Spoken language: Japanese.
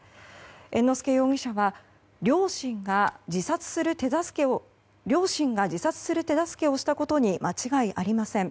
猿之助容疑者は、両親が自殺する手助けをしたことに間違いありません。